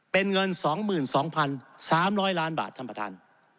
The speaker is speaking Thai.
เป็นเงิน๒๒๓๐๐ล้านบาทท่านประธาน